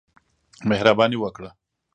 مهرباني وکړه !